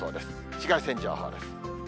紫外線情報です。